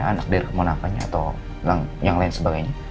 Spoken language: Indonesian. anak dari kemunakannya atau yang lain sebagainya